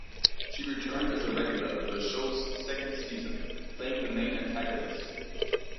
She returned as a regular for the show's second season, playing the main antagonist.